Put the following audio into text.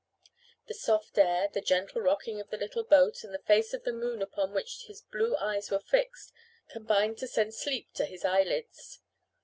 The soft air, the gentle rocking of the little boat, and the face of the moon upon which his blue eyes were fixed combined to send sleep to his eyelids.